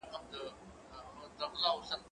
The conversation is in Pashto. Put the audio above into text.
زه اجازه لرم چي درسونه لوستل کړم!.